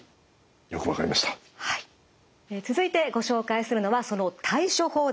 続いてご紹介するのはその対処法です。